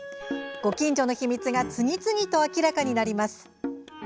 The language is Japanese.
ご近所の秘密が次々と明らかになります。